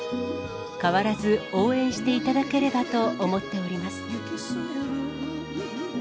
変わらず応援していただければと思っております。